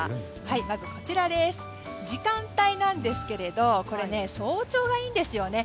まず、時間帯なんですけれど早朝がいいんですよね。